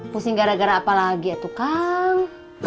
pusing gara gara apa lagi ya tukang